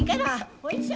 おいしょ！